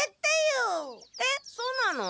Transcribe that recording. えっそうなの？